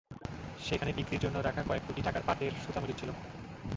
সেখানে বিক্রির জন্য রাখা কয়েক কোটি টাকার পাটের সুতা মজুত ছিল।